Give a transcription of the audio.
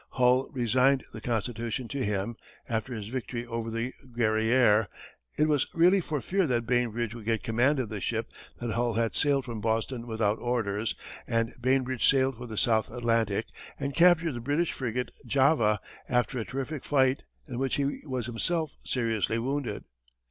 Hull resigned the Constitution to him, after his victory over the Guerrière it was really for fear that Bainbridge would get command of the ship that Hull had sailed from Boston without orders and Bainbridge sailed for the South Atlantic, and captured the British frigate Java, after a terrific fight, in which he was himself seriously wounded.